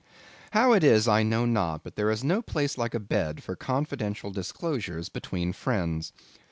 How it is I know not; but there is no place like a bed for confidential disclosures between friends.